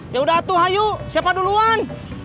yaudah tuh ayo siapa duluan